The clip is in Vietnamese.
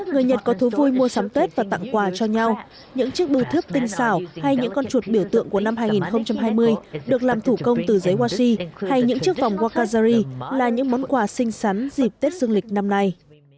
người nhật có thú vui mua sắm tết và tặng quà cho nhau những chiếc bưu thước tinh xảo hay những con chuột biểu tượng của năm hai nghìn hai mươi được làm thủ công từ giấy washi hay những chiếc vòng wakazari là những món quà xinh xắn dịp tết dương lịch năm nay